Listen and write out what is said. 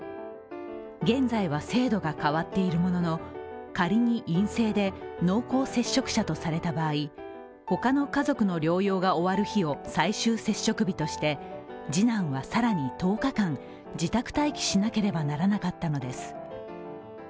現在は制度が変わっているものの、仮に陰性で濃厚接触者とされた場合、他の家族の療養が終わる日を最終接触日として、次男はさらに１０日間、自宅待機しなければならなかったのです。